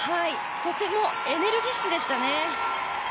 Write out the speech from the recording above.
とてもエネルギッシュでしたね。